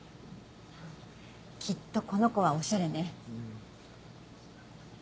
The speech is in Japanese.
きっとこの子はおしゃれね。